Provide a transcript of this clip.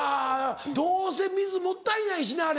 どうせ水もったいないしなあれ。